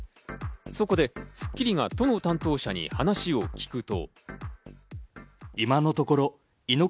そこで『スッキリ』が都の担当者に話を聞くと。